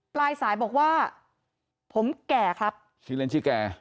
ปลายสายบอกว่าผมแก่ครับชื่อเล่นชื่อแก่